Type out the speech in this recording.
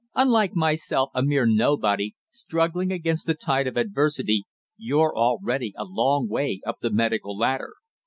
Unlike myself, a mere nobody, struggling against the tide of adversity, you're already a long way up the medical ladder.